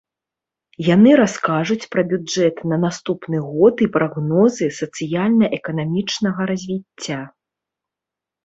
Яны раскажуць пра бюджэт на наступны год і прагнозы сацыяльна-эканамічнага развіцця.